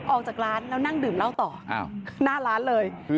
ออกจากร้านแล้วนั่งดื่มเหล้าต่อหน้าร้านเลย